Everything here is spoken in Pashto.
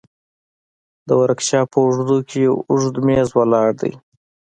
د ورکشاپ په اوږدو کښې يو اوږد مېز ولاړ دى.